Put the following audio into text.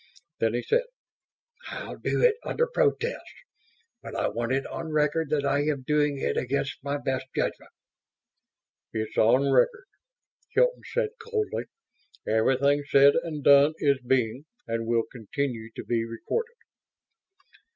Then he said, "I'll do it, under protest, but I want it on record that I am doing it against my best judgment." "It's on record," Hilton said, coldly. "Everything said and done is being, and will continue to be, recorded."